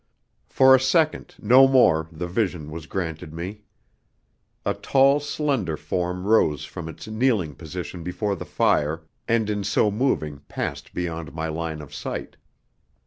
For a second, no more, the vision was granted me. A tall, slender form rose from its kneeling position before the fire, and in so moving passed beyond my line of sight.